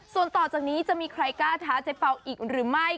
ส่วนต่อจากนี้จะมีใครกล้าท้าเจ๊เป่าอีกหรือไม่